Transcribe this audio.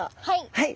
はい！